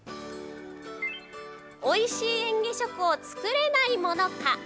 おいしい嚥下食を作れないものか。